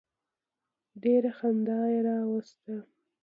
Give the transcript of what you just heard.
ډېره خندا یې راوسته.